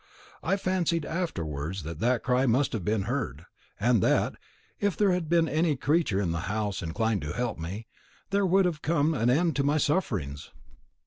I fancied afterwards that that cry must have been heard, and that, if there had been any creature in the house inclined to help me, there would have come an end to my sufferings.